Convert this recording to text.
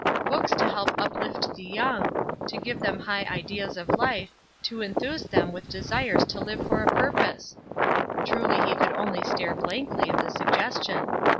Books to help uplift the young, to give them high ideas of life, to enthuse them with desires to live for a purpose! Truly he could only stare blankly at the suggestion.